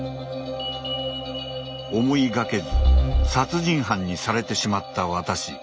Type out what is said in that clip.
思いがけず殺人犯にされてしまった私。